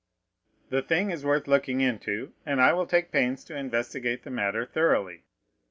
"The thing is worth looking into, and I will take pains to investigate the matter thoroughly."